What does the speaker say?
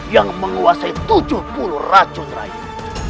yang menguasai tujuh puluh racun raya